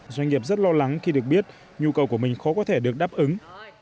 doanh nghiệp rất lo lắng khi được biết nhu cầu của mình khó có thể được đáp ứng